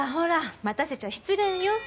待たせちゃ失礼よ。